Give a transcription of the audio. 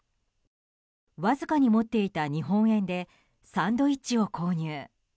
わずかに持っていた日本円でサンドイッチを購入。